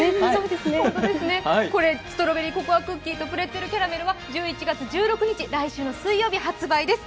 ストロベリーココアクッキーとプレッツェルキャラメルは１１月１６日、来週の水曜日発売です。